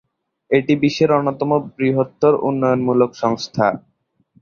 এটি বিশ্বের অন্যতম বৃহত্তর উন্নয়নমূলক সংস্থা।